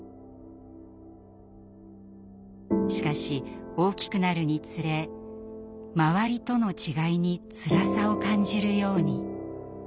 しかし大きくなるにつれ周りとの違いにつらさを感じるように。